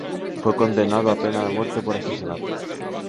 Fue condenado a pena de muerte por asesinato.